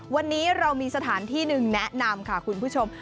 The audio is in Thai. วันนี้เรามีสถานที่หนึ่งแนะนำค่ะคุณผู้ชม